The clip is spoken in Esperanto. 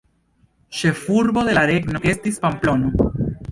Ĉefurbo de la regno estis Pamplono.